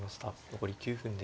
残り９分です。